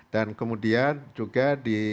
dan kemudian juga di